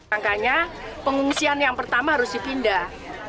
angkanya pengungsian yang pertama harus dipindah